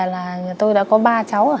là nhà tôi đã có ba cháu